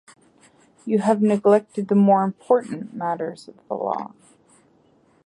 You have neglected the more important matters of the law